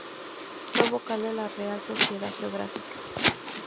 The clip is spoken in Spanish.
Fue vocal de la Real Sociedad Geográfica.